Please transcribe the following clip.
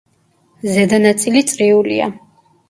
ზედა ნაწილი წრიულია.